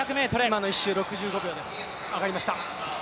今の１周６５秒です、上がりました。